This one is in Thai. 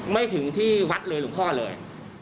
ไม่ถึงที่วัดหรือหลวงคลอดเลย